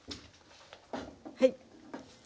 はい。